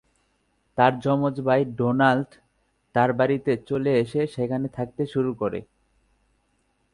তার যমজ ভাই ডোনাল্ড তার বাড়িতে চলে এসে সেখানে থাকতে শুরু করে।